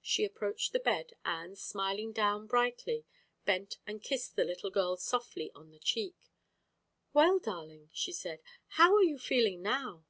She approached the bed and, smiling down brightly, bent and kissed the little girl softly on the cheek. "Well, darling," she said, "how are you feeling now?"